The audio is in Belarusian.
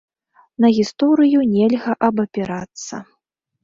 На гісторыю нельга абапірацца.